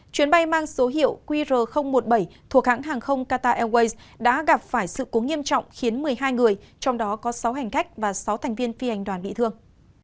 chuyến bay mang số hiệu qr một mươi bảy thuộc hãng hàng không qatar airways đã gặp phải sự cố nghiêm trọng khiến một mươi hai người trong đó có sáu hành khách và sáu thành viên phi hành đoàn bị thương